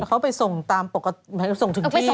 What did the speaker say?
เขาไปส่งตามปกติส่งถึงที่